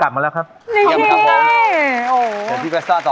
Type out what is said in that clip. ตราบที่ทุกลมหายใจขึ้นหอดแต่ไอ้นั้น